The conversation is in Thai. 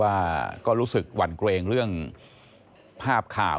ว่าก็รู้สึกหวั่นเกรงเรื่องภาพข่าว